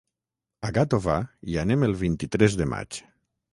A Gàtova hi anem el vint-i-tres de maig.